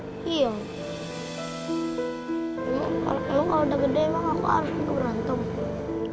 emang kalau elok udah gede emang aku harus berantem